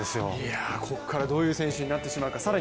ここからどういう選手になってしまうか。